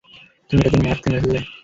তুমি এটার জন্য মার্কসকে মেরে ফেললে।